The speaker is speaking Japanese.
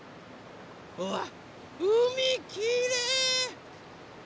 うわっうみきれい！